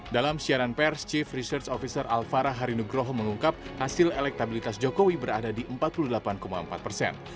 dalam siaran pers chief research officer alfara harinugroho mengungkap hasil elektabilitas jokowi berada di empat puluh delapan empat persen